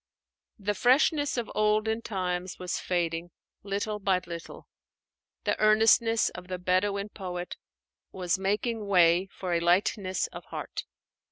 The freshness of olden times was fading little by little; the earnestness of the Bedouin poet was making way for a lightness of heart.